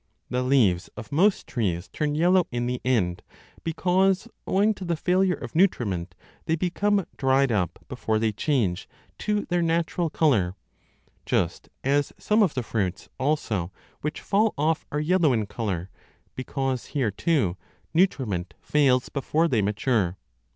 15 The leaves of most trees turn yellow in the end, because, owing to the failure of nutriment, they become dried up before they change to their natural colour ; just as some of the fruits also which fall off are yellow in colour, because here too nutriment fails before they mature.